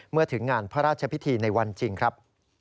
ถึงงานพระราชพิธีในวันจริงครับ